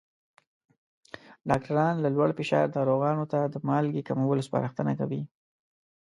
ډاکټران له لوړ فشار ناروغانو ته د مالګې کمولو سپارښتنه کوي.